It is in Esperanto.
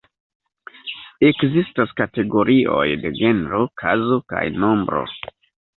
Ekzistas kategorioj de genro, kazo kaj nombro.